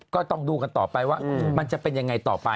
ก็ต้องดูกันต่อไปว่ามันจะเป็นยังไงต่อไป